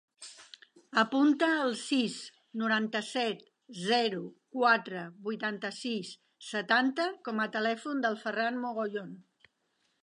Apunta el sis, noranta-set, zero, quatre, vuitanta-sis, setanta com a telèfon del Ferran Mogollon.